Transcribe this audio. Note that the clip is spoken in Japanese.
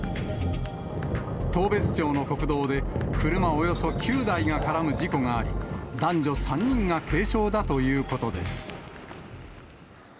当別町の国道で、車およそ９台が絡む事故があり、男女３人が軽傷だということです。